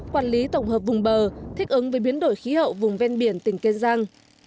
quản lý tổng hợp vùng bờ thích ứng với biến đổi khí hậu vùng ven biển tỉnh kiên giang